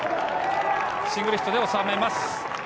シングルヒットでおさめます。